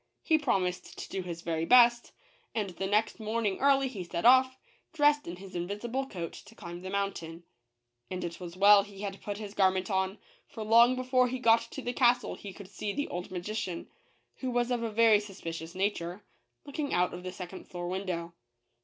He promised to do his very best, and the next morning early he set off, dressed in his invisible coat, to climb the mountain. And it was well he had put his garment on ; for long before he got to the castle he could see the old magician, who was of a very sus picious nature, looking out of the second floor window.